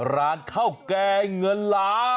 ร้านข้าวแกงเงินล้าน